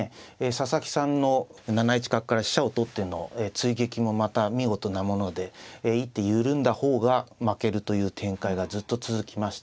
佐々木さんの７一角から飛車を取っての追撃もまた見事なもので一手緩んだ方が負けるという展開がずっと続きました。